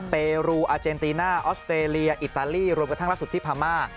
เปรูอาเจนติน่าออสเตรเลียอิตาลีรวมกระทั่งล่าสุดที่พม่า